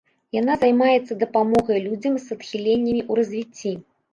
Яна займаецца дапамогай людзям з адхіленнямі ў развіцці.